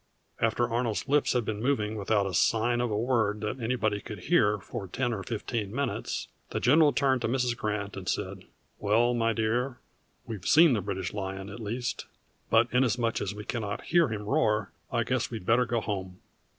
After Arnold's lips had been moving without a sign of a word that anybody could hear for ten or fifteen minutes the General turned to Mrs. Grant and said, 'Well, my dear, we've seen the British Lion at least; but inasmuch as we cannot hear him roar I guess we'd better go home!'